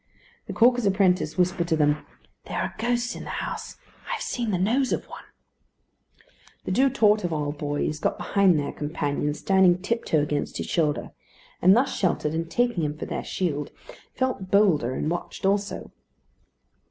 The caulker's apprentice whispered to them, "There are ghosts in the house. I have seen the nose of one." The two Torteval boys got behind their companion, standing tiptoe against his shoulder; and thus sheltered, and taking him for their shield, felt bolder and watched also.